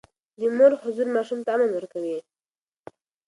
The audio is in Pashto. د مور حضور ماشوم ته امن ورکوي.